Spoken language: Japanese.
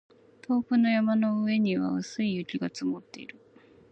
遠くの山の上には薄い雪が積もっている